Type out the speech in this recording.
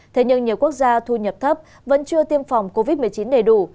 thế nhưng nhiều quốc gia thu nhập thấp vẫn chưa tiêm phòng covid một mươi chín đầy đủ